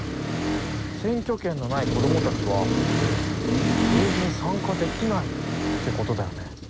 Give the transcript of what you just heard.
選挙権のない子どもたちは政治に参加できないってことだよね。